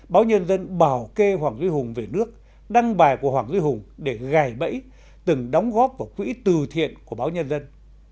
báo nhân dân bảo kê hoàng duy hùng về nước đăng bài của hoàng duy hùng để gài bẫy từng đóng góp vào quỹ từ thiện của báo nhân dân